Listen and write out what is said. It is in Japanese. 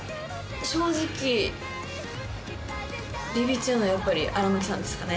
正直ビビっちゃうのはやっぱり荒牧さんですかね。